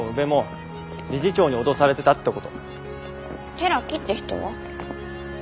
寺木って人は？